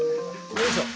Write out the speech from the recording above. よいしょ。